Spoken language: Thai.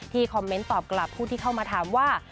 คอมเมนต์ตอบกลับผู้ที่เข้ามาถามว่า